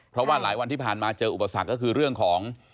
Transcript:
เพราะว่าหลายวันที่ผ่านมาเจออุปสรรคก็คือเรื่องของ